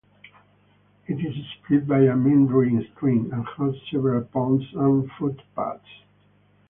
It is split by a meandering stream and has several ponds and footpaths.